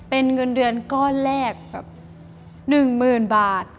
เป็นเงินเดือนก้อนแรกแบบ๑๐๐๐บาท